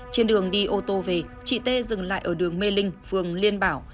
trên đường đi ô tô về chị tê dừng lại ở đường mê linh phường liên bảo